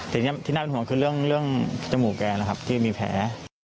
ทีนี้ที่น่าเป็นห่วงคือเรื่องจมูกแกนะครับที่มีแผล